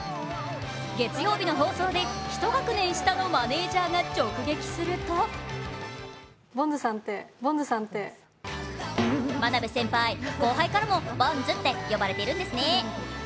月曜日の放送で１学年したのマネージャーが取材すると真鍋先輩、後輩からもボンズって呼ばれているんですね。